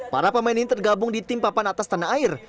para pemain ini tergabung di tim papan atas tanah air